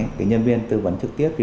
thì sẽ có những nhân viên tư vấn trực tiếp